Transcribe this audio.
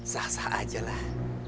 sah sah aja lah